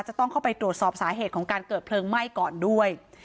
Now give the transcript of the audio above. จะต้องเข้าไปตรวจสอบสาเหตุของการเกิดเพลิงไหม้ก่อนด้วย